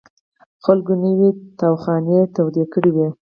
خلکو نوې تاوخانې تودې کړې وې.